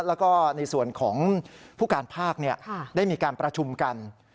แล้วก็ในส่วนของผู้การภาคได้มีการประชุมกัน